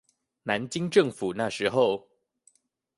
南京政府那個時候